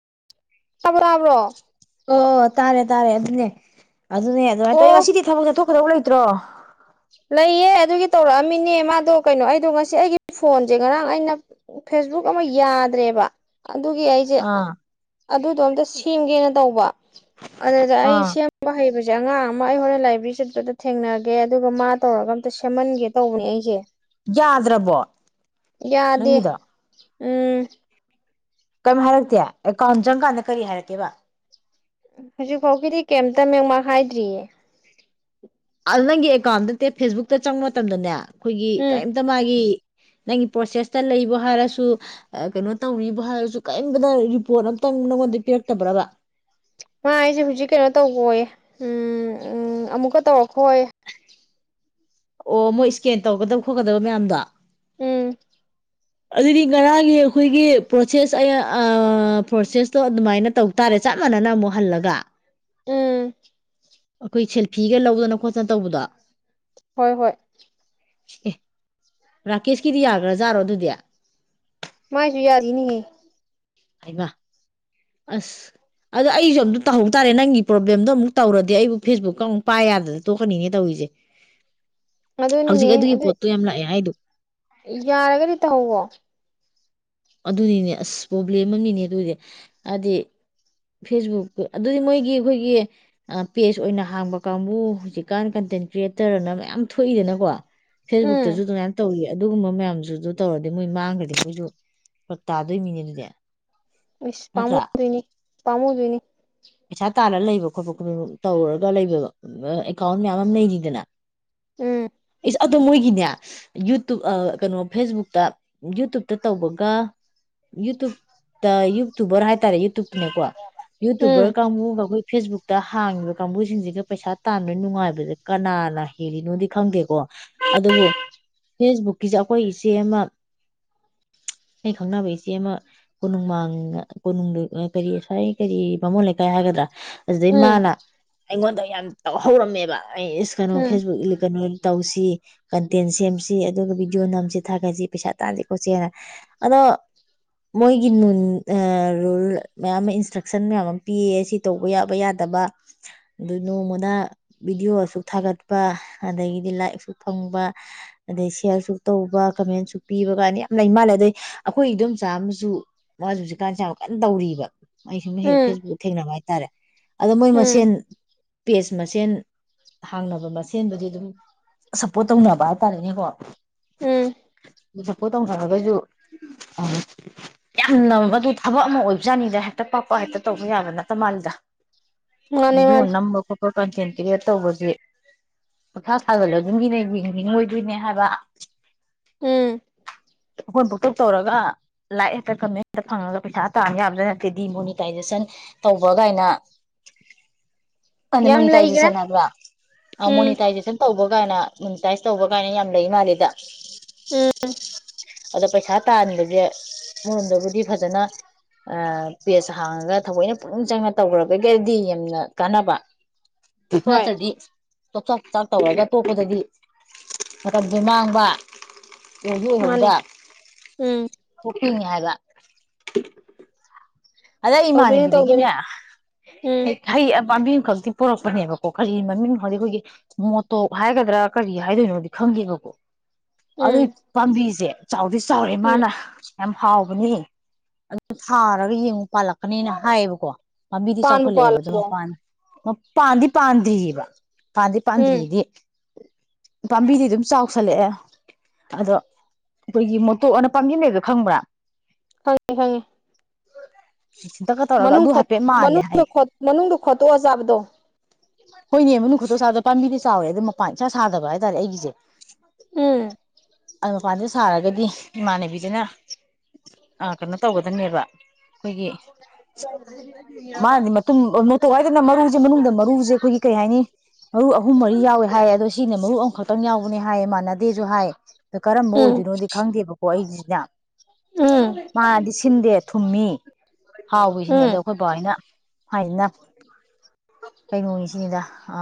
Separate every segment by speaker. Speaker 1: [unintelligible]
Speaker 2: ꯑꯣ ꯇꯥꯔꯦ ꯇꯥꯔꯦ ꯑꯗꯨꯅꯦ ꯑꯗꯨꯅꯦ ꯑꯗꯨꯃꯥꯏꯅ ꯇꯧ ꯉ
Speaker 1: ꯑꯣ
Speaker 2: ꯁꯤꯗꯤ ꯊꯕꯛ ꯆꯠꯊꯣꯛ ꯩꯇ꯭ꯔꯣ [unintelligible]
Speaker 1: ꯂꯩꯌꯦ ꯑꯗꯨꯒꯤ ꯇꯧꯔꯛꯑꯝꯃꯤꯅꯦ ꯃꯥꯗꯣ ꯀꯩꯅꯣ ꯑꯩꯗꯣ ꯉꯁꯤ ꯑꯩꯒꯤ ꯐꯣꯟꯁꯦ ꯉꯔꯥꯡ ꯑꯩꯅ ꯐꯦꯁꯕꯨꯛ ꯑꯃ ꯌꯥꯗ꯭ꯔꯦꯕ ꯑꯗꯨꯒꯤ ꯑꯩꯁꯦ
Speaker 2: ꯑꯥ
Speaker 1: ꯑꯗꯨꯗꯣꯝꯇ ꯁꯦꯝ ꯊꯒꯦꯅ ꯇꯧꯕ ꯑꯗꯗ ꯑꯩ
Speaker 2: ꯑꯥ
Speaker 1: ꯁꯦꯡꯕ ꯍꯩꯕ ꯗꯩ ꯑꯉꯥꯡ ꯑꯃ ꯑꯩꯍꯣꯔꯦꯟ ꯂꯥꯏꯕ꯭ꯔꯦꯔꯤ ꯆꯠꯄꯗ ꯊꯦꯡꯅꯒꯦ ꯑꯗꯨꯒ ꯃꯥ ꯇꯧꯔꯒ ꯑꯝꯇ ꯁꯦꯝꯃꯟꯒꯦ ꯇꯧꯕꯅꯦ ꯑꯩꯁꯦ
Speaker 2: ꯌꯥꯗ꯭ꯔꯕꯣ
Speaker 1: ꯌꯥꯗꯦ
Speaker 2: ꯅꯪꯒꯤꯗꯣ
Speaker 1: ꯎꯝ
Speaker 2: ꯀꯔꯤꯝ ꯍꯥꯏꯔꯛꯇꯦ ꯑꯦꯀꯥꯎꯟ ꯆꯪꯀꯥꯟꯗ ꯀꯔꯤ ꯍꯥꯏꯔꯛꯀꯦꯕ
Speaker 1: ꯍꯧꯖꯤꯛ ꯐꯥꯎꯒꯤꯗꯤ ꯀꯩꯇ ꯃꯦꯡꯃꯥꯡ ꯍꯥꯏꯗ꯭ꯔꯤꯌꯦ
Speaker 2: ꯅꯪꯒꯤ ꯑꯦꯀꯥꯎꯟ ꯅꯠꯇꯦ ꯐꯦꯁꯕꯨꯛꯇ ꯆꯪꯕ ꯃꯇꯝꯗꯅꯦ ꯑꯩꯈꯣꯏꯒꯤ
Speaker 1: ꯎꯝ
Speaker 2: ꯀꯔꯤꯝꯇ ꯃꯥꯒꯤ ꯅꯪꯒꯤ ꯄ꯭ꯔꯣꯁꯦꯁꯇ ꯂꯩꯕꯣ ꯍꯥꯏꯔꯁꯨ ꯀꯩꯅꯣ ꯇꯧꯔꯤꯕꯣ ꯍꯥꯏꯔꯁꯨ ꯀꯔꯤꯝꯝꯕꯗ ꯔꯤꯄꯣꯔꯠ ꯑꯃꯇꯪ ꯅꯪꯉꯣꯟꯗ ꯄꯤꯔꯛꯇꯕ꯭ꯔꯕ
Speaker 1: ꯃꯥ ꯑꯩꯁꯦ ꯍꯧꯖꯤꯛ ꯀꯩꯅꯣ ꯇꯧꯈꯣꯏ ꯎꯝ ꯎ ꯑꯃꯨꯛꯀ ꯇꯧꯔꯛꯈꯣꯌꯦ
Speaker 2: ꯑꯣ ꯃꯣꯏ ꯏꯁꯀꯦꯟ ꯇꯧꯒꯗꯕ ꯈꯣꯠꯀꯗꯕ ꯃꯌꯥꯝꯗꯣ
Speaker 1: ꯎꯝ
Speaker 2: ꯑꯗꯨꯗꯤ ꯉꯔꯥꯡꯒꯤ ꯑꯩꯈꯣꯏꯒꯤ ꯄ꯭ꯔꯣꯁꯦꯁ ꯑ ꯄ꯭ꯔꯣꯁꯦꯁꯇꯣ ꯑꯗꯨꯃꯥꯏꯅ ꯇꯧ ꯇꯥꯔꯦ ꯆꯞ ꯃꯥꯟꯅꯅ ꯑꯃꯨꯛ ꯍꯜꯂꯒ
Speaker 1: ꯎꯝ
Speaker 2: ꯑꯩꯈꯣꯏ ꯁꯦꯜꯐꯤꯒ ꯂꯧꯗꯅ ꯈꯣꯠꯇꯅ ꯇꯧꯕꯗꯣ
Speaker 1: ꯍꯣꯏ ꯍꯣꯏ
Speaker 2: ꯑꯦ ꯔꯥꯀꯦꯁꯀꯤꯗꯤ ꯌꯥꯈ꯭ꯔꯖꯥꯔꯣ ꯑꯗꯨꯗꯤ
Speaker 1: ꯃꯥꯏꯁꯨ ꯌꯥꯔꯤꯅꯤ
Speaker 2: ꯍꯩꯃꯥ ꯑꯁ ꯑꯗꯨꯗ ꯑꯩꯁꯨ ꯑꯝꯇ ꯇꯧꯍꯧ ꯇꯥꯔꯦ ꯅꯪꯒꯤ ꯄ꯭ꯔꯣꯕ꯭ꯂꯦꯝꯗꯣ ꯑꯃꯨꯛ ꯇꯧꯔꯗꯤ ꯑꯩꯕꯨ ꯐꯦꯁꯕꯨꯛꯀ ꯑꯃꯨꯛ ꯄꯥꯏꯌꯥꯗꯗ ꯇꯣꯛꯀꯅꯤꯅꯦ ꯇꯧꯔꯤꯁꯦ ꯍꯧꯖꯤꯛ
Speaker 1: ꯑꯗꯨꯅꯤꯅꯦ
Speaker 2: ꯑꯗꯨꯒꯤ
Speaker 1: ꯑꯗꯨ
Speaker 2: ꯄꯣꯠꯇꯣ ꯌꯥꯝ ꯂꯥꯛꯑꯦ ꯍꯥꯏꯗꯣ
Speaker 1: ꯌꯥꯔꯒꯗꯤ ꯇꯧꯍꯧꯋꯣ
Speaker 2: ꯑꯗꯨꯅꯤꯅꯦ ꯑꯁ ꯄ꯭ꯔꯣꯕ꯭ꯂꯦꯝ ꯑꯃꯅꯤꯅꯦ ꯑꯗꯨꯗꯤ ꯍꯥꯏꯗꯤ ꯐꯦꯁꯕꯨꯛ ꯑꯗꯨꯗꯤ ꯃꯣꯏꯒꯤ ꯑꯩꯈꯣꯏꯒꯤ ꯄꯦꯖ ꯑꯣꯏꯅ ꯍꯥꯡꯕ ꯀꯥꯡꯕꯨ ꯍꯧꯖꯤꯛꯀꯥꯟ ꯀꯟꯇꯦꯟ ꯀ꯭ꯔꯤꯌꯦꯇꯔꯅ ꯃꯌꯥꯝ ꯊꯣꯛꯏꯗꯅꯀꯣ ꯐꯦꯁꯕꯨꯛꯇꯁꯨ
Speaker 1: ꯎꯝ
Speaker 2: ꯑꯗꯨꯃꯥꯏꯅ ꯇꯧꯏ ꯑꯗꯨꯒꯨꯝꯕ ꯃꯌꯥꯝꯁꯨ ꯑꯗꯨ ꯇꯧꯔꯗꯤ ꯃꯣꯏ ꯃꯥꯡꯈ꯭ꯔꯗꯤ ꯑꯩꯈꯣꯏꯁꯨ ꯄ ꯇꯥꯗꯣꯏ ꯅꯤꯅꯦ ꯑꯗꯨꯗꯤ
Speaker 1: ꯑꯤꯁ
Speaker 2: ꯅꯠꯇ꯭ꯔꯥ
Speaker 1: ꯄꯝꯨꯗꯣꯏꯅꯤ ꯄꯃꯗꯣꯏꯅꯤ
Speaker 2: ꯄꯩꯁꯥ ꯇꯥꯜꯂꯒ ꯂꯩꯕ ꯈꯣꯠꯄ ꯇꯧꯔꯒ ꯂꯩꯕ ꯑꯦꯀꯥꯎꯟ ꯃꯌꯥꯝ ꯑꯃ ꯂꯩꯔꯤꯗꯅ
Speaker 1: ꯎꯝ
Speaker 2: ꯑꯗꯨꯝ ꯃꯣꯏꯒꯤꯅꯦ ꯌꯨꯇꯨꯞ ꯀꯩꯅꯣ ꯐꯦꯁꯕꯨꯛꯇ ꯌꯨꯇꯨꯞꯕꯇ ꯇꯧꯕꯒ ꯌꯨꯇꯨꯕ ꯌꯨꯇꯨꯕꯔ ꯍꯥꯏ ꯍꯥꯏꯇꯥꯔꯦ ꯌꯨꯇꯨꯞꯇꯅꯦꯀꯣ ꯌꯨꯇꯨꯕꯔ
Speaker 1: ꯎꯝ
Speaker 2: ꯀꯥꯡꯕꯨ ꯑꯩꯈꯣꯏ ꯐꯦꯁꯕꯨꯛꯇ ꯍꯥꯡꯉꯤꯕ ꯀꯥꯡꯕꯨꯁꯤꯡꯁꯤꯒ ꯄꯩꯁꯥ ꯇꯥꯟꯕ ꯅꯨꯡꯉꯥꯏꯕꯁꯦ ꯀꯅꯥꯅ ꯍꯦꯜꯂꯤꯅꯣꯗꯤ ꯈꯪꯗꯦꯀꯣ ꯑꯗꯨꯕꯨ ꯐꯦꯁꯕꯨꯛꯀꯤꯁꯦ ꯑꯩꯈꯣꯏ ꯏꯆꯦ ꯑꯃ ꯑꯩ ꯈꯪꯅꯕ ꯏꯆꯦ ꯑꯃ ꯀꯣꯅꯨꯡꯃꯥꯡꯗ ꯀꯣꯅꯨꯡꯗ ꯀꯔꯤ ꯉꯁꯋꯥꯥꯏ ꯀꯔꯤ ꯃꯃꯣꯟ ꯂꯩꯀꯥꯏ ꯍꯥꯏꯒꯗ꯭ꯔꯥ ꯑꯗꯨꯗꯩ
Speaker 1: ꯎꯝ
Speaker 2: ꯃꯥꯅ ꯑꯩꯉꯣꯟꯗꯩ ꯌꯥꯝ ꯇꯧꯍꯧꯔꯝꯃꯦꯕ ꯑꯩ ꯏꯁꯀꯅꯣ
Speaker 1: ꯎꯝ
Speaker 2: ꯐꯦꯁꯕꯨꯛ ꯏ ꯀꯩꯅꯣꯒꯤ ꯇꯧꯁꯤ ꯀꯟꯇꯦꯟ ꯁꯦꯝꯁꯤ ꯑꯗꯨꯒ ꯚꯤꯗꯤꯑꯣ ꯅꯝꯁꯤ ꯊꯥꯒꯠꯁꯤ ꯄꯩꯁꯥ ꯇꯥꯟꯁꯤ ꯈꯣꯠꯁꯤꯅ ꯑꯗꯣ ꯃꯣꯏꯒꯤꯟ ꯑ ꯔꯨꯜ ꯃꯌꯥꯝ ꯑꯃ ꯏꯟꯁꯇ꯭ꯔꯛꯁꯟ ꯃꯌꯥꯝ ꯑꯃ ꯄꯤꯌꯦ ꯁꯤ ꯇꯧꯕ ꯌꯥꯕ ꯌꯥꯗꯕ ꯑꯗꯨ ꯅꯣꯡꯃꯗ ꯚꯤꯗꯤꯑꯣ ꯑꯁꯨꯛ ꯊꯥꯒꯠꯄ ꯑꯗꯒꯤꯗꯤ ꯂꯥꯏꯛꯁꯨ ꯐꯪꯕ ꯑꯗꯩ ꯁꯌꯥꯔꯁꯨ ꯇꯧꯕ ꯀꯃꯦꯟꯁꯨ ꯄꯤꯕ ꯀꯥꯏꯅ ꯌꯥꯝ ꯂꯩ ꯃꯥꯜꯂꯦ ꯑꯗꯩ ꯑꯩꯈꯣꯏ ꯏꯗꯣꯝꯆꯥ ꯑꯃꯁꯨ ꯃꯥꯁꯨ ꯍꯧꯖꯤꯛꯀꯥꯟꯁꯦ ꯌꯥꯝ ꯀꯟꯅ ꯇꯧꯔꯤꯕ ꯑꯩ ꯁꯨꯝ ꯍꯦꯛ
Speaker 1: ꯎꯝ
Speaker 2: ꯐꯦꯁꯕꯨꯛ ꯊꯦꯡꯅꯕ ꯍꯥꯏ ꯇꯔꯦ ꯑꯗꯣ ꯃꯣꯏ
Speaker 1: ꯎꯝ
Speaker 2: ꯃꯁꯦꯟ ꯄꯦꯖ ꯃꯁꯦꯟ ꯍꯥꯡꯅꯕ ꯃꯁꯦꯟꯕꯨꯗꯤ ꯑꯗꯨꯝ ꯁꯞꯄꯣꯔꯠ ꯇꯧꯅꯕ ꯍꯥꯏꯇꯥꯔꯦꯅꯦꯀꯣ
Speaker 1: ꯎꯝ
Speaker 2: [inaudible] ꯇꯧꯅꯔꯒꯁꯨ ꯑ ꯌꯥꯝ ꯅ [unintelligible] ꯊꯕꯛ ꯑꯃ ꯑꯣꯏꯕꯖꯥꯠꯅꯤꯗ ꯍꯦꯛꯇ ꯄꯥꯛꯄ ꯍꯦꯛꯇ ꯇꯧꯕ ꯌꯥꯕ ꯅꯠꯇ ꯃꯥꯜꯂꯤꯗ
Speaker 1: ꯃꯥꯅꯦ
Speaker 2: ꯚꯤꯗꯤꯑꯣ
Speaker 1: ꯃꯥꯅꯦ
Speaker 2: ꯅꯝꯕ ꯈꯣꯠꯄ ꯀꯟꯇꯦꯟ ꯀꯔꯤꯌꯦꯠ ꯇꯧꯕꯁꯦ ꯄꯥꯡꯊꯥ ꯊꯥꯒꯠꯂꯁꯧ ꯃꯤꯅ ꯌꯦꯡꯅꯤꯡꯂꯣꯏꯗꯣꯏꯅꯦ ꯍꯥꯏꯕ
Speaker 1: ꯎꯝ
Speaker 2: [inaudible] ꯄꯪꯇꯧ ꯇꯧꯔꯒ ꯂꯥꯏꯛ ꯍꯦꯛꯇ ꯀꯃꯦꯟꯠ ꯍꯦꯛꯇ ꯐꯪꯉꯒ ꯄꯩꯁꯥ ꯇꯥꯟ ꯌꯥꯕꯁꯨ ꯅꯠꯇꯦ ꯗꯤꯃꯣꯅꯤꯇꯥꯏꯖꯦꯁꯟ ꯇꯧꯕ ꯀꯥꯏꯅ
Speaker 1: ꯌꯥꯝ ꯂꯩꯒ꯭ꯔꯦ
Speaker 2: ꯃꯣꯅꯤꯇꯥꯏꯖꯦꯁꯟ ꯍꯥꯏꯕꯔ ꯑ
Speaker 1: ꯎꯝ
Speaker 2: ꯃꯣꯅꯤꯇꯥꯏꯖꯦꯁꯟ ꯇꯧꯕ ꯒꯥꯏꯅ ꯃꯣꯅꯤꯇꯥꯏꯁ ꯇꯧꯕ ꯀꯥꯏꯅ ꯌꯥꯝ ꯂꯩ ꯃꯥꯜꯂꯦꯕ
Speaker 1: ꯎꯝ
Speaker 2: ꯑꯗ ꯄꯩꯁꯥ ꯇꯥꯟꯕꯁꯦ ꯑꯃꯔꯣꯝꯗꯕꯨꯗꯤ ꯐꯖꯅ ꯑ ꯄꯦꯖ ꯍꯥꯡꯉꯒ ꯊꯑꯣꯏꯅ ꯄꯨꯛꯅꯤꯡ ꯆꯪꯅ ꯇꯧꯈ꯭ꯔꯒꯒꯗꯤ ꯌꯥꯝꯅ ꯀꯥꯟꯅꯕ
Speaker 1: ꯍꯣꯏ
Speaker 2: ꯅꯠꯇꯔꯗꯤ ꯆꯣꯛꯆꯥꯛ ꯆꯥꯛ ꯇꯧꯔꯒ ꯑꯇꯣꯞꯄꯗꯒꯤ ꯃꯇꯝꯁꯦ ꯃꯥꯡꯕ
Speaker 1: ꯃꯥꯅꯦ
Speaker 2: [unintelligible]
Speaker 1: ꯎꯝ
Speaker 2: ꯍꯤꯡꯏ ꯍꯥꯏꯕ [inaudible] ꯑꯗꯩ ꯑꯩ
Speaker 1: ꯇꯧꯗꯣꯏꯅꯦ
Speaker 2: ꯏꯃꯥꯟꯅꯕꯤꯗꯒꯤꯅꯦ
Speaker 1: ꯇꯧꯗꯣꯏꯅꯦ ꯎꯝ
Speaker 2: ꯍꯩ ꯑꯝ ꯄꯥꯟꯕꯤ ꯑꯃꯈꯛꯇꯤ ꯄꯣꯔꯛꯄꯅꯦꯕꯀꯣ ꯀꯔꯤ ꯃꯃꯤꯡ ꯈꯗꯤ ꯑꯩꯈꯣꯏꯒꯤ ꯃꯣꯇꯣꯞ ꯍꯥꯏꯒꯗ꯭ꯔꯥ ꯀꯔꯤ ꯍꯥꯏꯗꯣꯏꯅꯣꯗꯤ ꯈꯪꯗꯦꯕꯀꯣ ꯑꯗꯨꯏ
Speaker 1: ꯎꯝ
Speaker 2: ꯄꯥꯝꯕꯤꯁꯦ ꯆꯥꯎꯗꯤꯁ ꯆꯥꯎꯔꯦ
Speaker 1: ꯎꯝ
Speaker 2: ꯃꯥꯅ ꯌꯥꯝ ꯍꯥꯎꯕꯅꯦ ꯑꯗꯨ ꯊꯥꯔꯒ ꯌꯦꯡꯉꯨ ꯄꯥꯜꯂꯛꯀꯅꯤꯅ ꯍꯥꯏꯌꯦꯕꯀꯣ ꯄꯥꯝꯕꯤꯗꯤ
Speaker 1: ꯄꯥꯟꯕꯨ
Speaker 2: ꯆꯥꯎꯈꯠꯂꯛꯑꯦꯕ ꯑꯗꯣ
Speaker 1: ꯄꯥꯜꯂꯕꯣ
Speaker 2: ꯃꯄꯥꯟꯅ ꯄꯥꯟꯗꯤ ꯄꯥꯟꯗ꯭ꯔꯤꯕ ꯄꯥꯟꯗꯤ
Speaker 1: ꯎꯝ
Speaker 2: ꯄꯥꯟꯗ꯭ꯔꯤꯗꯤ ꯄꯥꯝꯕꯤꯗꯤ ꯑꯗꯨꯝ ꯆꯥꯎꯁꯜꯂꯛꯑꯦ ꯑꯗꯣ ꯑꯩꯈꯣꯏꯒꯤ ꯃꯨꯠ ꯇꯣꯛ ꯑꯅ ꯄꯥꯝꯕꯤ ꯑꯃ ꯂꯩꯕꯗꯣ ꯈꯪꯕ꯭ꯔꯥ
Speaker 1: ꯈꯪꯉꯦ ꯈꯪꯉꯦ
Speaker 2: ꯁꯤꯟꯇꯛꯀ ꯇꯧꯔꯒ
Speaker 1: ꯃꯅꯨꯡ
Speaker 2: ꯑꯗꯨ
Speaker 1: ꯈꯣꯠ
Speaker 2: ꯍꯥꯏꯐꯦꯠ ꯃꯥꯜꯂꯦ
Speaker 1: ꯃꯅꯨꯡꯗ
Speaker 2: ꯍꯥꯏ
Speaker 1: ꯈꯣꯠ ꯃꯅꯨꯡꯗ ꯈꯣꯠꯇꯣꯛꯑꯥ ꯆꯥꯕꯗꯣ
Speaker 2: ꯍꯣꯏꯅꯦ ꯃꯅꯨꯡ ꯈꯣꯇꯣꯛꯑ ꯆꯥꯕꯗꯣ ꯄꯥꯝꯕꯤꯗꯤ ꯆꯥꯎꯔꯦ ꯑꯗꯣ ꯃꯄꯥꯟ ꯏꯁꯥ ꯁꯥꯗꯕ ꯍꯥꯏꯇꯥꯔꯦ ꯑꯩꯒꯤꯁꯦ
Speaker 1: ꯎꯝ
Speaker 2: ꯑ ꯃꯄꯥꯟꯁꯦ ꯁꯥꯔꯒꯗꯤ ꯏꯃꯥꯟꯅꯕꯤꯗꯨꯅ ꯑ ꯀꯩꯅꯣ ꯇꯧꯒꯗꯅꯦꯕ ꯑꯩꯈꯣꯏꯒꯤ ꯃꯥꯅꯗꯤ ꯃꯇꯨꯝ ꯑꯣꯅ ꯅꯣꯇꯣꯛ ꯍꯥꯏꯔꯒꯅ ꯃꯔꯨꯁꯦ ꯃꯅꯨꯡꯗ ꯃꯔꯨꯁꯦ ꯑꯩꯈꯣꯏꯒꯤ ꯀꯩ ꯍꯥꯏꯅꯤ ꯃꯔꯨ ꯑꯍꯨꯝ ꯃꯔꯤ ꯌꯥꯎꯋꯦ ꯍꯥꯏꯌꯦ ꯑꯗꯣ ꯁꯤꯅ ꯃꯔꯨ ꯑꯃꯈꯛꯇꯪ ꯌꯥꯎꯕꯅꯦ ꯍꯥꯏꯌꯦ ꯃꯥꯅ ꯗꯤꯖꯨꯍꯥꯏ ꯀꯔꯝꯕ
Speaker 1: ꯎꯝ
Speaker 2: ꯑꯣꯏꯗꯣꯏꯅꯣꯗꯤ ꯈꯪꯗꯦꯕ ꯃꯍꯤꯖꯤꯅꯦ
Speaker 1: ꯎꯝ
Speaker 2: ꯃꯥꯅꯗꯤ ꯁꯤꯟꯗꯦ ꯊꯨꯝꯃꯤ ꯍꯥꯎꯏꯁꯤꯅꯦ ꯑꯗꯣ
Speaker 1: ꯎꯝ
Speaker 2: ꯑꯩꯈꯣꯏꯄꯥ ꯍꯣꯢꯅ ꯅ ꯍꯥꯏꯅ ꯀꯩꯅꯣꯅꯤꯁꯤꯅꯤꯗ ꯑ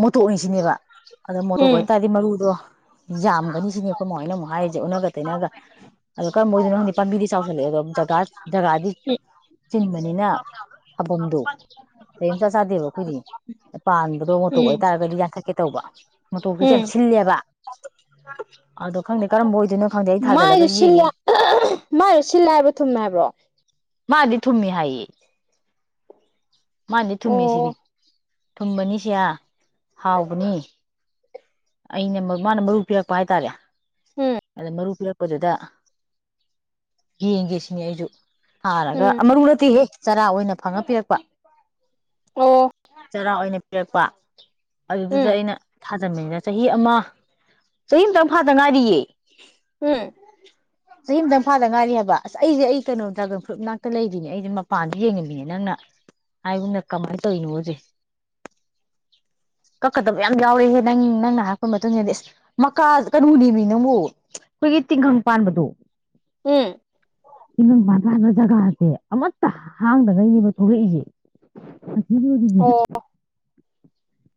Speaker 2: ꯃꯣꯇꯣꯛꯅꯤꯁꯤꯅꯦꯕ ꯑꯗ ꯃꯣꯇꯣꯛ
Speaker 1: ꯎꯝ
Speaker 2: ꯑꯣꯏꯇꯥꯔꯗꯤ ꯃꯔꯨꯗꯣ ꯖꯥꯝꯒꯅꯤ ꯁꯤꯅꯤ ꯈꯣꯢ ꯃꯥꯍꯣꯢꯅꯃꯨꯛ ꯑꯩꯗꯤ ꯑꯣꯟꯅꯒ ꯇꯩꯅꯒ ꯑꯗꯣ ꯀꯔꯝꯕ ꯑꯣꯏꯗꯣꯏꯅꯣ ꯈꯪꯗꯦ ꯄꯥꯝꯕꯤꯗꯤ ꯆꯥꯎꯁꯜꯂꯛꯑꯦ ꯑꯗꯣ ꯖꯒꯥ ꯖꯒꯥꯗꯤ ꯆꯤꯟꯕꯅꯤꯅ ꯊꯧꯕꯝꯗꯣ ꯅꯥꯇꯩꯩ ꯑꯃ ꯏꯆꯥ ꯆꯥꯗꯦꯕ ꯑꯩꯈꯣꯏꯗꯤ ꯄꯥꯟꯕꯗꯣ ꯃꯣꯇꯣꯛ ꯑꯣꯏ
Speaker 1: ꯎꯝ
Speaker 2: ꯇꯥꯔꯒꯗꯤ ꯌꯥ ꯆꯠꯀꯦ ꯇꯧꯕ ꯃꯇꯣꯛꯇꯨꯗꯤ
Speaker 1: ꯎꯝ
Speaker 2: ꯌꯥꯝ ꯁꯤꯜꯂꯦꯕ ꯑꯗꯣ ꯈꯪꯗꯦ ꯀꯔꯝ ꯑꯣꯏꯗꯣꯏꯅꯣ ꯈꯪꯗꯦ ꯑꯩ ꯊꯥꯖꯤꯜꯂꯒ
Speaker 1: ꯃꯥꯏꯁꯨ ꯁꯤꯜꯂꯦ
Speaker 2: ꯌꯦꯡꯉꯤ
Speaker 1: ꯑꯍ ꯑꯍ ꯑꯍ ꯑꯍꯝ ꯃꯥꯏꯁꯨ ꯁꯤꯜ ꯂꯦ ꯍꯥꯏꯕ ꯊꯨꯝꯃꯦ ꯍꯥꯏꯕ꯭ꯔꯣ
Speaker 2: ꯃꯥꯗꯤ ꯊꯨꯝꯃꯤ ꯍꯥꯏꯌꯦ ꯃꯥꯗꯤ ꯊꯨꯝꯃꯦ ꯁꯤꯅꯤ
Speaker 1: ꯑꯣ
Speaker 2: ꯊꯨꯝꯕꯅꯤ ꯁꯤꯌꯥ ꯍꯥꯎꯕꯅꯤ ꯑꯩꯅꯦ ꯃꯥꯅ ꯃꯔꯨ ꯄꯤꯔꯛꯄ ꯍꯥꯏꯇꯥꯔꯦ
Speaker 1: ꯎꯝ
Speaker 2: ꯑꯗ ꯃꯔꯨ ꯄꯤꯔꯛꯄꯗꯨꯗ ꯌꯦꯡꯒꯦ ꯁꯤꯅꯤ ꯑꯩꯁꯨ ꯊꯥꯔꯒ
Speaker 1: ꯎꯝ
Speaker 2: ꯃꯔꯨ ꯅꯠꯇꯦꯍꯦ ꯆꯔꯥ ꯑꯣꯏꯅ ꯐꯪꯉ ꯄꯤꯔꯛꯄ
Speaker 1: ꯑꯣ
Speaker 2: ꯆꯔ ꯑꯣꯏꯅ ꯄꯤꯔꯛꯄꯥ ꯑꯗꯨꯗ
Speaker 1: ꯎꯝ
Speaker 2: ꯑꯩꯅ ꯊꯥꯖꯟꯕꯅꯤꯅ ꯆꯍꯤ ꯑꯃ ꯆꯍꯤ ꯑꯃꯇꯪ ꯐꯥ ꯇꯉꯥꯔꯤꯌꯦ
Speaker 1: ꯍꯨꯝ
Speaker 2: ꯆꯍꯤ ꯑꯝꯇꯪ ꯐꯥꯗ ꯉꯥꯏꯔꯤ ꯍꯥꯏꯕ ꯑꯁ ꯑꯩꯁꯦ ꯑꯩ ꯀꯩꯅꯣ ꯗ꯭ꯔꯥꯒꯟ ꯐ꯭ꯔꯨꯠ ꯃꯅꯥꯛꯇ ꯂꯩꯔꯤꯅꯦ ꯑꯩꯅ ꯃꯄꯥꯟꯗ ꯌꯦꯡꯉꯝꯃꯤꯅꯦ ꯅꯪꯅ ꯍꯥꯏꯒꯨꯝꯅ ꯀꯃꯥꯏꯅ ꯇꯣꯢꯅꯣꯁꯦ ꯀꯛꯀꯗꯕ ꯌꯥꯝ ꯌꯥꯎꯔꯦꯍꯦ ꯅꯪ ꯅꯪꯅ ꯍꯥꯢꯔꯛꯄ ꯃꯇꯨꯡꯏꯟꯅꯗꯤ ꯃꯀꯥ ꯀꯅꯣꯅꯦꯃꯤ ꯅꯪꯕꯣ ꯑꯩꯈꯣꯏꯒꯤ ꯇꯤꯡꯈꯪ ꯄꯥꯟꯕꯗꯣ
Speaker 1: ꯎꯝ
Speaker 2: ꯇꯤꯡꯈꯪ ꯄꯥꯟ ꯄꯥꯟꯕ ꯖꯒꯥꯁꯦ ꯑꯃꯠꯇ ꯍꯥꯡꯗꯒꯩꯅꯦꯕ ꯊꯣꯛꯂꯛꯏꯁꯦ ꯚꯤꯗꯤꯌꯣꯒꯤꯅꯦ
Speaker 1: ꯑꯣ
Speaker 2: ꯑꯍ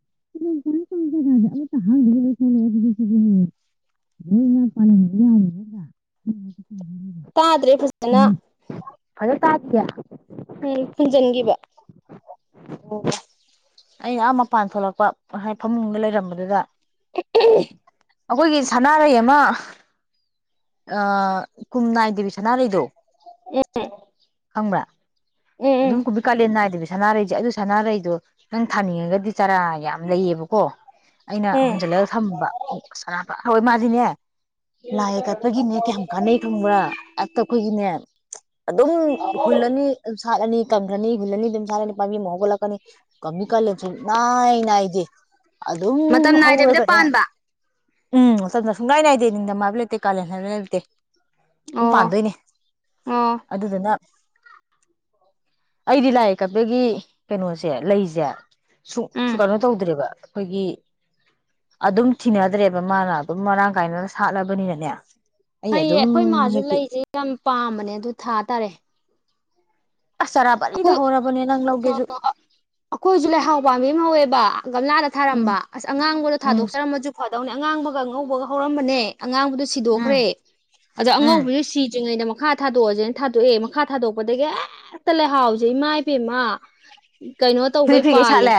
Speaker 2: [unintelligible]
Speaker 1: ꯇꯗ꯭ꯔꯦ ꯐꯖꯟꯅ
Speaker 2: ꯐꯖꯟ ꯇꯗꯤꯌꯦ
Speaker 1: ꯎꯝ ꯐꯨꯟꯖꯤꯟꯒꯤꯕ
Speaker 2: ꯑꯣ ꯑꯩ ꯑ ꯃꯄꯥꯟ ꯊꯣꯛꯂꯛ ꯍꯏ ꯐꯃꯨꯡꯗ ꯂꯩꯔꯝꯕꯗꯨꯗ
Speaker 1: [unintelligible]
Speaker 2: ꯑꯩꯈꯣꯏꯒꯤ ꯁꯅꯥꯔꯩ ꯑꯃ ꯑ ꯀꯨꯝ ꯅꯏꯗꯕꯤ ꯁꯅꯥꯔꯩꯗꯣ
Speaker 1: ꯎꯝ
Speaker 2: ꯑꯗꯨꯨꯝ
Speaker 1: ꯎꯝ
Speaker 2: ꯀꯕꯤ ꯀꯥꯂꯦꯟ ꯅ ꯉꯥꯏꯗꯕꯤ ꯁꯥꯟꯅꯥꯔꯩꯁꯦ ꯑꯗꯨ ꯁꯥꯟꯅꯔꯩꯗꯣ ꯅꯪ ꯊꯥꯅꯤꯡꯉꯒꯗꯤ ꯆꯥꯔꯥ ꯌꯝ ꯂꯩꯌꯦꯕꯀꯣ ꯑꯩꯅ
Speaker 1: ꯎꯝ
Speaker 2: ꯍꯨꯟꯖꯤꯜꯂꯒ ꯊꯝꯕ ꯑꯔꯥꯕ ꯍꯣꯏ ꯃꯗꯤꯅꯦ ꯂꯥꯏ ꯀꯠꯄꯒꯤꯅꯦ ꯀꯌꯥꯝ ꯀꯥꯟꯅꯩ ꯈꯪꯕ꯭ꯔꯥ ꯑꯇ ꯑꯩꯈꯣꯏꯒꯤꯅꯦ ꯑꯗꯨꯝ ꯍꯨꯜꯂꯅꯤ ꯑꯅꯤ ꯀꯪꯒꯅꯤ ꯍꯨꯜꯂꯅꯤ ꯑꯗꯨꯝ ꯁꯥꯠꯂꯅꯤ ꯄꯥꯝꯕꯤ ꯑꯃ ꯍꯧꯒꯠꯂꯛꯀꯅꯤ ꯀꯝꯃꯤ ꯀꯂꯦꯟꯁꯨꯛꯅꯥꯏ ꯅꯥꯏꯗꯦ ꯑꯗꯨꯝ
Speaker 1: ꯃꯇꯝ ꯅꯥꯏꯗꯕꯤꯗ
Speaker 2: ꯍꯧꯔꯒꯅꯦ
Speaker 1: ꯄꯥꯟꯕ
Speaker 2: ꯑꯝ ꯃꯇꯝꯁꯨꯡꯅꯏ ꯅꯥꯏꯗꯦ ꯅꯤꯡꯗꯝ ꯍꯥꯏꯕ ꯂꯩꯇꯦ ꯀꯂꯦꯟ ꯍꯥꯏꯕ ꯂꯩꯇꯦ ꯑꯗꯨꯝ
Speaker 1: ꯑꯣ
Speaker 2: ꯄꯥꯟꯗꯣꯏꯅꯦ
Speaker 1: ꯑꯣ
Speaker 2: ꯑꯗꯨꯗꯨꯅ ꯑꯩꯗꯤ ꯂꯥꯏ ꯀꯛꯄꯒꯤ ꯀꯩꯅꯣꯁꯦ ꯂꯩꯁꯦ ꯁꯨꯡ ꯁꯨ
Speaker 1: ꯎꯝ
Speaker 2: ꯀꯩꯅꯣ ꯇꯧꯗ꯭ꯔꯦꯕ ꯑꯩꯈꯣꯏꯒꯤ ꯑꯗꯨꯝ ꯊꯤꯅꯗ꯭ꯔꯦꯕ ꯃꯥꯅ ꯑꯗꯨꯝ ꯃꯔꯥꯡ ꯀꯥꯏꯅ ꯁꯥꯠꯂꯕꯅꯤꯅꯅꯦ ꯑꯩ
Speaker 1: ꯐꯩꯌꯦ
Speaker 2: ꯑꯗꯨꯝ
Speaker 1: ꯑꯩꯈꯣꯏ ꯃꯥꯁꯨ
Speaker 2: ꯍꯦꯛꯄꯤ
Speaker 1: ꯂꯩꯁꯦ ꯌꯥꯝ ꯄꯥꯝꯕꯅꯦ ꯑꯗꯨ ꯊꯥ ꯇꯥꯔꯦ
Speaker 2: ꯑꯁ ꯆꯔꯥꯕꯂꯤꯗ
Speaker 1: ꯑꯩꯈꯣꯏ
Speaker 2: ꯍꯧꯔꯕꯅꯦ ꯅꯪ ꯂꯧ ꯗꯨꯖꯨ
Speaker 1: ꯑꯩꯈꯣꯏꯁꯨ ꯂꯩꯍꯥꯎ ꯄꯥꯝ ꯑꯃ ꯍꯧꯋꯦꯕ ꯒꯝꯂꯥꯗ
Speaker 2: ꯎꯝ
Speaker 1: ꯊꯥꯔꯝꯕ ꯑꯁ ꯑꯉꯥꯡꯕꯗꯣ
Speaker 2: ꯎꯝ
Speaker 1: ꯊꯥꯗꯣꯛꯆꯔꯝꯃꯁꯨ ꯐꯗꯧꯅꯦ ꯑꯉꯥꯡꯕꯒ ꯑꯉꯧꯕꯒ ꯍꯧꯔꯝꯕꯅꯦ ꯑꯉꯥꯡꯕꯗꯣ
Speaker 2: ꯎꯝ
Speaker 1: ꯁꯤꯗꯣꯛꯈ꯭ꯔꯦ ꯑꯗꯣ
Speaker 2: ꯎꯝ
Speaker 1: ꯑꯉꯧꯕꯁꯨ ꯁꯤꯗ꯭ꯔꯤꯉꯩꯗ ꯃꯈꯥ ꯊꯥꯗꯣꯛꯑꯁꯦꯅ ꯊꯥꯗꯣꯛꯑꯦ ꯃꯈꯥ ꯊꯥꯗꯣꯛꯄꯗꯒꯤ ꯍꯦꯛꯇ ꯂꯩꯍꯥꯎꯁꯦ ꯏꯃꯥꯄꯦꯝꯃꯥ ꯀꯩꯅꯣ
Speaker 2: [unintelligible] ꯂꯣꯏ ꯁꯥꯠꯂꯦ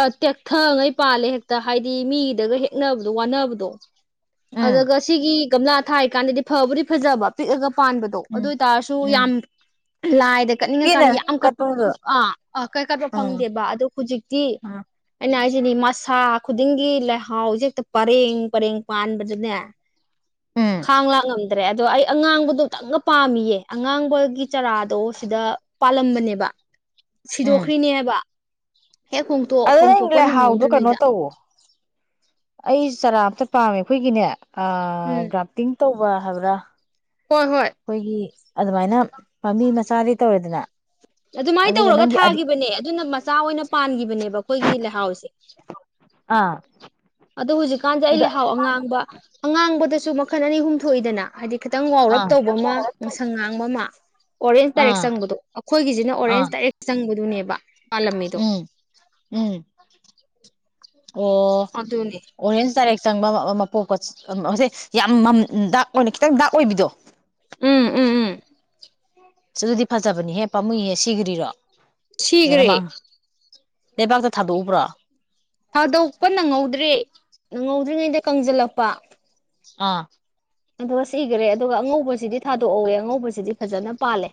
Speaker 1: ꯑꯥ ꯇꯦꯛꯊꯉꯩ ꯄꯥꯜꯂꯦ ꯍꯦꯛꯇ ꯍꯥꯏꯗꯤ ꯃꯤꯗꯒ ꯍꯦꯛꯅꯕꯗꯣ ꯋꯥꯅꯕꯗꯣ
Speaker 2: ꯎꯝ
Speaker 1: ꯑꯗꯒ ꯁꯤꯒꯤ ꯒꯝꯂꯥ ꯊꯥ ꯀꯥꯟꯗꯗꯤ ꯐꯕꯨꯗꯤ ꯐꯖꯕ ꯄꯤꯛꯑꯒ ꯄꯥꯟꯕꯗꯣ ꯑꯗꯨ
Speaker 2: ꯎꯝ
Speaker 1: ꯑꯣꯏꯇꯥꯔꯁꯨ
Speaker 2: ꯎꯝ
Speaker 1: ꯌꯥꯝ ꯂꯥꯏ
Speaker 2: ꯄꯦꯠꯅ
Speaker 1: ꯀꯠꯅꯤꯡꯉꯀꯥꯟꯗ ꯌꯥꯝ ꯀꯠꯄ
Speaker 2: ꯀꯠꯄꯗꯣ
Speaker 1: ꯐꯪ ꯑ ꯀꯩ ꯀꯠꯄ
Speaker 2: ꯎꯝ
Speaker 1: ꯐꯪꯗꯦꯕ ꯑꯗ ꯍꯨꯖꯤꯛꯇꯤ
Speaker 2: ꯎꯝ
Speaker 1: ꯑꯩꯅ ꯍꯥꯏ ꯁꯤꯅꯤ ꯃꯁꯥ ꯈꯨꯗꯤꯡꯒꯤ ꯂꯩꯍꯥꯎꯁꯦ ꯍꯦꯛꯇ ꯄꯔꯦꯡ ꯄꯔꯦꯡ ꯄꯥꯟꯕꯗꯅꯦ
Speaker 2: ꯎꯝ
Speaker 1: ꯈꯥꯡ ꯂꯥꯛ ꯉꯝꯗ꯭ꯔꯦ ꯑꯗꯣ ꯑꯩ ꯑꯉꯥꯡꯕꯗꯣ ꯇꯪꯒ ꯄꯥꯝꯃꯤꯌꯦ ꯑꯉꯥꯡꯕꯒꯤ ꯆꯔꯥ ꯗꯣ ꯁꯤꯗ ꯄꯥꯜꯂꯝꯕꯅꯦ ꯕ
Speaker 2: ꯎꯝ
Speaker 1: ꯁꯤꯗꯣꯛꯈ꯭ꯔꯤꯅꯦ ꯍꯦꯛ ꯍꯣꯡꯇꯣꯛ
Speaker 2: ꯑꯗꯣ ꯅꯪ
Speaker 1: ꯍꯣꯡꯇꯣꯛꯄ
Speaker 2: ꯂꯩꯍꯥꯎꯗꯣ ꯀꯩꯅꯣ
Speaker 1: ꯅꯪꯍꯧꯗ꯭ꯔꯤꯉꯩꯗ
Speaker 2: ꯇꯧꯋꯣ ꯑꯩ ꯆꯔꯥ ꯑꯝꯇ ꯄꯥꯝꯃꯦ ꯑꯩꯈꯣꯏꯒꯤꯅꯦ ꯑ
Speaker 1: ꯎꯝ
Speaker 2: ꯒ꯭ꯔꯥꯐꯇꯤꯡ ꯇꯧꯕ ꯍꯥꯏꯕ꯭ꯔ
Speaker 1: ꯍꯣꯏ ꯍꯣꯏ
Speaker 2: ꯑꯩꯈꯣꯏꯒꯤ ꯑꯗꯨꯃꯥꯏꯅ ꯄꯥꯝꯕꯤ ꯃꯆꯥꯗꯩꯩ ꯇꯧꯔꯦꯗꯅ
Speaker 1: ꯑꯗꯨꯃꯥꯏꯅ
Speaker 2: ꯑꯗꯨꯒ
Speaker 1: ꯇꯧꯔꯒ
Speaker 2: ꯅꯪꯒꯤ ꯑꯗꯤ
Speaker 1: ꯊꯥꯒꯤꯕꯅꯦ ꯑꯗꯨꯅ ꯃꯆꯥ ꯑꯣꯏꯅ ꯄꯥꯟꯈꯤꯕꯅꯦꯕ ꯑꯩꯈꯣꯏꯒꯤ ꯂꯩꯍꯥꯎꯁꯦ
Speaker 2: ꯑꯥ
Speaker 1: ꯑꯗꯣ ꯍꯧꯖꯤꯛꯀꯥꯟꯁꯦ ꯑꯩ
Speaker 2: ꯑꯗ
Speaker 1: ꯂꯩꯍꯥꯎ ꯑꯉꯥꯡꯕ ꯑꯉꯥꯡꯕꯗꯁꯨ ꯃꯈ ꯃꯈꯜ ꯑꯅꯤ ꯑꯨꯝ ꯊꯣꯛꯏꯗꯅ ꯍꯥꯏꯗꯤ ꯈꯤꯇꯪ ꯉꯧꯔꯞ
Speaker 2: ꯑꯥ
Speaker 1: ꯇꯧꯕ ꯑꯃ ꯉꯁꯪ ꯉꯥꯡꯕ ꯑꯃ ꯑꯣꯔꯦꯟꯖ ꯗꯥꯏꯔꯦꯛ
Speaker 2: ꯑꯥ
Speaker 1: ꯆꯪꯕꯗꯣ ꯑꯩꯈꯣꯏꯒꯤꯁꯤꯅ
Speaker 2: ꯑꯥ
Speaker 1: ꯑꯣꯔꯦꯟꯁ ꯗꯥꯏꯔꯦꯛ ꯆꯪ ꯕꯗꯨꯅꯦꯕ
Speaker 2: ꯎꯝ ꯎꯝ ꯑꯣ
Speaker 1: ꯑꯗꯨꯅꯦ
Speaker 2: ꯑꯣꯔꯦꯟꯁ ꯗꯥꯏꯔꯦꯛ ꯆꯪꯕ ꯑꯃ [unintelligible] ꯌꯥꯝ ꯃꯝ ꯗꯥꯛ ꯑꯣꯏꯅ ꯈꯤꯇꯪ ꯗꯥꯛ ꯑꯣꯏꯕꯤꯗꯣ
Speaker 1: ꯎꯝ ꯎꯝ ꯎꯝ
Speaker 2: ꯑꯗꯨꯗꯤ ꯐꯖꯕꯅꯤꯍꯦ ꯄꯥꯃꯨꯏꯌꯦ ꯁꯤꯒ꯭ꯔꯤꯔꯣ ꯐꯖꯅ
Speaker 1: ꯁꯤꯒ꯭ꯔꯦ
Speaker 2: ꯃꯥꯡ ꯂꯩꯕꯥꯛꯇ ꯊꯥꯗꯣꯛꯎꯕ꯭ꯔꯣ
Speaker 1: ꯊꯥꯗꯣꯛꯄ ꯅꯪꯍꯧꯗ꯭ꯔꯦ ꯅꯪꯍꯧꯗ꯭ꯔꯤꯉꯩꯗ ꯀꯪꯖꯤꯜꯂꯛꯄ
Speaker 2: ꯑꯥ
Speaker 1: ꯑꯗꯨꯒ ꯁꯤꯒ꯭ꯔꯦ ꯑꯗꯨꯒ ꯑꯉꯧꯕꯁꯤꯗꯤ ꯊꯥꯗꯣꯛꯍꯧꯋꯦ ꯑꯉꯧꯕꯁꯤꯗꯤ ꯐꯖꯅ ꯄꯥꯜꯂꯦ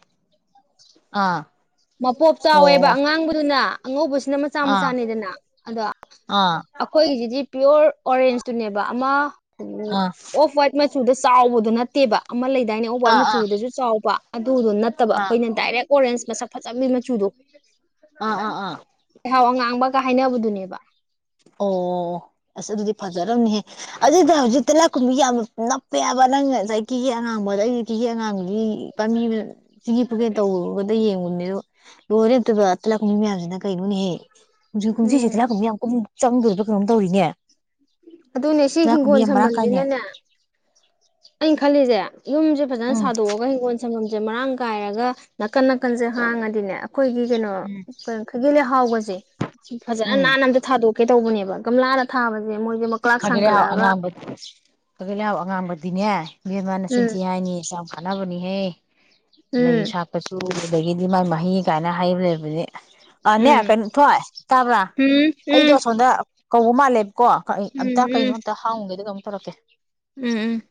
Speaker 2: ꯑꯥ
Speaker 1: ꯃꯄꯣꯞ ꯆꯥꯎꯋꯦꯕ
Speaker 2: ꯑꯣ
Speaker 1: ꯑꯉꯥꯡꯕꯗꯨꯅ ꯑꯉꯧꯕ ꯁꯤꯅ ꯃꯆꯥ
Speaker 2: ꯑꯥ
Speaker 1: ꯃꯆꯥꯅꯤꯗꯅ ꯑꯗ
Speaker 2: ꯑꯥ
Speaker 1: ꯑꯩꯈꯣꯏꯒꯤꯖꯤꯗꯤ ꯄꯤꯌꯣꯔ ꯑꯣꯔꯦꯟꯖꯇꯨꯅꯦꯕ ꯑꯃ
Speaker 2: ꯑꯥ
Speaker 1: ꯑꯣꯐ ꯋꯥꯏꯠ ꯁꯤꯗ ꯆꯥꯎꯕꯗꯨ ꯅꯠꯇꯦꯕ ꯑꯃ ꯂꯩꯗꯥꯏꯅꯦ ꯑꯣꯕ ꯋꯥꯏꯠ
Speaker 2: ꯑꯥ ꯑꯥ ꯑꯥ
Speaker 1: ꯃꯆꯨꯗꯁꯨ ꯆꯥꯎꯕ ꯑꯗꯨꯗꯣ ꯅꯠꯇꯕ ꯑꯩꯈꯣꯏꯅ ꯗꯥꯏꯔꯦꯛ ꯑꯣꯔꯦꯟꯖ ꯃꯁꯛ ꯐꯖꯝꯅꯦ ꯃꯆꯨꯗꯣ
Speaker 2: ꯑꯥ ꯑꯥ ꯑꯥ
Speaker 1: ꯂꯩꯍꯥꯎ ꯑꯉꯥꯡꯕ ꯀ ꯍꯥꯏꯅꯕꯗꯨꯅꯦꯕ
Speaker 2: ꯑꯣ ꯑꯁ ꯑꯗꯨꯗꯤ ꯐꯖꯔꯝꯅꯤꯍꯦ ꯑꯗꯨꯗ ꯍꯧꯖꯤꯛꯇ ꯇꯦꯂꯥꯏꯈꯨꯝꯕꯤ ꯌꯥꯝ ꯅꯞꯄꯦꯍꯕ ꯅꯪꯅ ꯉꯁꯥꯏ ꯀꯦꯒꯦ ꯑꯉꯥꯡꯕꯗ ꯑꯩꯗꯤ ꯀꯦꯒꯦ ꯑꯉꯥꯡꯕꯒꯤ ꯄꯥꯝꯕꯤꯅ ꯁꯤꯒꯤ ꯐꯨꯒꯦ ꯇꯧꯕꯗ ꯌꯦꯡꯉꯨ ꯅꯤꯔꯨ ꯂꯣꯏꯔꯦ ꯑꯝꯇꯣꯏꯕ ꯇꯤꯂꯥꯏꯈꯣꯝꯕꯤ ꯃꯌꯥꯝꯁꯤꯅ ꯀꯩꯅꯣꯅꯦꯍꯦ ꯀꯨꯝꯁꯤꯁꯦ
Speaker 1: ꯎꯝ
Speaker 2: ꯇꯦꯂꯥꯏꯈꯨꯝꯕꯤ ꯌꯥꯃ ꯀꯨꯝ ꯆꯪꯗꯣꯏꯕ ꯀꯩꯅꯣꯝ ꯇꯧꯔꯤꯅꯦ
Speaker 1: ꯑꯗꯨꯅꯦ ꯁꯤ
Speaker 2: ꯇꯤꯜꯍꯥ ꯈꯨꯝꯕꯤ
Speaker 1: ꯍꯤꯡꯒꯣꯜ
Speaker 2: ꯌꯥꯝ ꯃꯔꯥꯡ ꯀꯥꯏꯅꯦ
Speaker 1: ꯁꯝꯕꯜꯁꯤꯅꯅꯦ ꯑꯩꯅ ꯈꯜꯂꯤꯁꯦ ꯌꯨꯝꯁꯦ ꯐꯖꯅ
Speaker 2: ꯎꯝ
Speaker 1: ꯁꯥꯗꯣꯛꯑꯒ ꯍꯤꯡꯒꯣꯜ ꯁꯪꯒꯝꯁꯦ ꯃꯔꯥꯡ ꯀꯥꯏꯔꯒ ꯅꯥꯀꯟ ꯅꯥꯀꯟꯁꯦ ꯍꯥꯡꯉꯗꯤꯅꯦ ꯑꯩꯈꯣꯏꯒꯤ ꯀꯩꯅꯣ ꯀꯩ ꯈꯒꯤ ꯂꯩ ꯍꯥꯎꯕꯁꯦ ꯊꯤ ꯐꯖꯅ ꯅꯥꯟꯅ ꯑꯝꯇ ꯊꯥꯗꯣꯛ ꯀꯩ ꯇꯧꯕꯅꯦꯕ ꯒꯝꯂꯥꯗ ꯊꯥꯕꯅꯦ ꯃꯣꯏꯁꯦ
Speaker 2: ꯏꯁ
Speaker 1: ꯃꯀ꯭ꯂꯥꯛ
Speaker 2: ꯈꯥꯒꯤꯂꯩꯍꯥꯎ
Speaker 1: ꯁꯥꯡꯒꯠꯂꯛꯑꯒ
Speaker 2: ꯑꯉꯥꯡꯕ ꯈꯒꯤꯂꯩꯍꯥꯎ ꯑꯉꯥꯡꯕꯗꯤꯅꯦ ꯕꯦꯝꯃꯥ
Speaker 1: ꯎꯝ
Speaker 2: ꯅꯆꯤꯟꯊꯤ ꯍꯥꯏꯅꯤ ꯌꯥꯝ ꯀꯥꯟꯅꯕꯅꯤꯍꯦ ꯂꯩ
Speaker 1: ꯎꯝ
Speaker 2: ꯁꯥꯄꯁꯨ ꯑꯗꯒꯤꯗꯤ ꯃꯥꯏ ꯃꯍꯩ ꯀꯥꯏꯅ ꯍꯥꯏꯕ ꯂꯩꯕꯅꯦ ꯑꯅꯦ
Speaker 1: ꯎꯝ
Speaker 2: ꯀꯩꯅꯣ ꯊꯣꯏ ꯇꯥꯕ꯭ꯔꯥ
Speaker 1: ꯎꯝ
Speaker 2: ꯑꯩꯗꯣ
Speaker 1: ꯎꯝ
Speaker 2: ꯁꯣꯝꯗ ꯀꯧꯕ ꯃꯥꯂꯦꯞ ꯀꯣ ꯑꯩ ꯑꯝꯇ
Speaker 1: ꯎꯝ
Speaker 2: ꯀꯩꯅꯣ
Speaker 1: ꯎꯝ
Speaker 2: ꯑꯝꯇ ꯍꯡꯎꯒꯦꯗ ꯇꯧꯔꯀꯦ
Speaker 1: ꯎꯝ ꯎꯝ